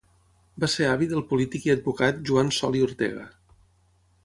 Va ser avi del polític i advocat Joan Sol i Ortega.